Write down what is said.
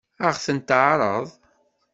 Ad ɣ-ten-teɛṛeḍ?